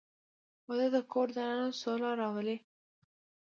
• واده د کور دننه سوله راولي.